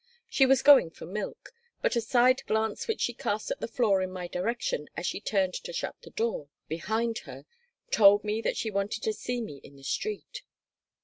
She was going for milk, but a side glance which she cast at the floor in my direction as she turned to shut the door behind her told me that she wanted to see me in the street.